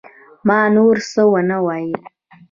ما نور څه ونه ويل.